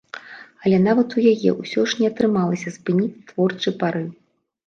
Але нават у яе ўсё ж не атрымалася спыніць творчы парыў.